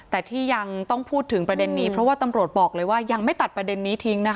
แต่ที่ยังต้องพูดถึงประเด็นนี้เพราะว่าตำรวจบอกเลยว่ายังไม่ตัดประเด็นนี้ทิ้งนะคะ